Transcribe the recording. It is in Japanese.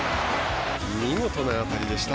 見事な当たりでした。